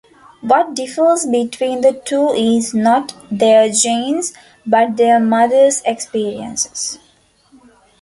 What differs between the two is not their genes but their mothers' experiences.